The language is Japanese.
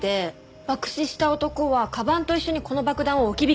爆死した男はかばんと一緒にこの爆弾を置き引きしたって事ですね。